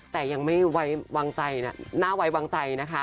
แต่ยังไม่ไว้วางใจน่าไว้วางใจนะคะ